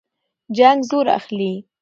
جنګ زور اخلي.